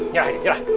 nyerah ini nyerah